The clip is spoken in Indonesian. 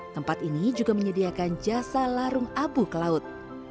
tempat ini juga menyediakan jasa larung abu ke laut